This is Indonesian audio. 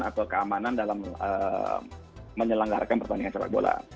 atau keamanan dalam menyelenggarakan pertandingan sepak bola